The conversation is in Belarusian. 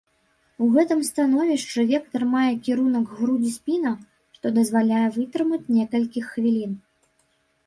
У гэтым становішчы вектар мае кірунак грудзі-спіна, што дазваляе вытрымаць некалькі хвілін.